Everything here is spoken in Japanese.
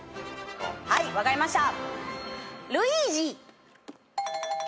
はい分かりました。